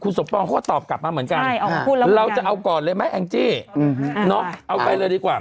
สมปองเขาก็ตอบกลับมาเหมือนกันเราจะเอาก่อนเลยไหมแองจี้เอาไปเลยดีกว่า